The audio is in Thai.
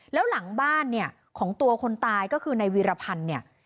แล้วหลังบ้านเนี่ยของตัวคนตายก็คือในวีรพันธ์เนี่ย